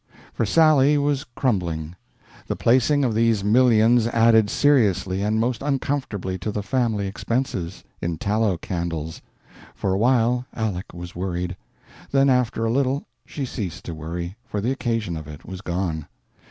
For Sally was crumbling. The placing of these millions added seriously and most uncomfortably to the family expenses in tallow candles. For a while Aleck was worried. Then, after a little, she ceased to worry, for the occasion of it was gone.